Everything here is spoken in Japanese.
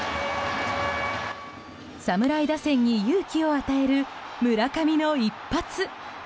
侍打線に勇気を与える村上の一発。